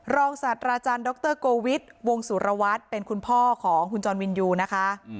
รองศาสตราจารย์ดรกเตอร์โกวิทวงสุรวัสตร์เป็นคุณพ่อของคุณจอลวินยูนะคะ